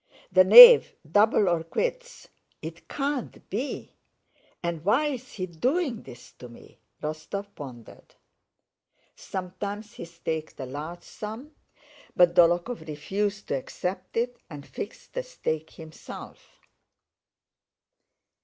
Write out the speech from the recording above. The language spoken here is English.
The knave, double or quits... it can't be!... And why is he doing this to me?" Rostóv pondered. Sometimes he staked a large sum, but Dólokhov refused to accept it and fixed the stake himself.